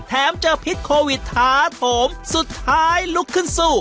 เจอพิษโควิดท้าโถมสุดท้ายลุกขึ้นสู้